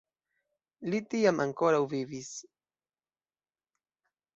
Li tiam ankoraŭ vivis.